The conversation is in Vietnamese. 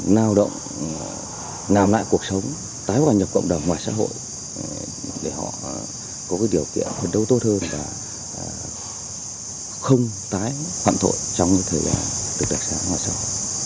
lao động làm lại cuộc sống tái hòa nhập cộng đồng ngoài xã hội để họ có cái điều kiện khuẩn đấu tốt hơn và không tái hoạn thội trong thời gian được đặc xá ngoài xã hội